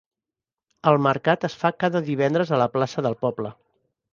El mercat es fa cada divendres a la plaça del poble.